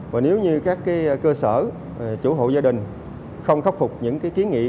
và nếu như các cơ sở chủ hộ gia đình không khắc phục những kiến nghị